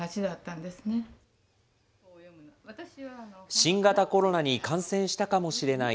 新型コロナに感染したかもしれない。